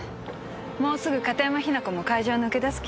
もうすぐ片山雛子も会場を抜け出す気よ。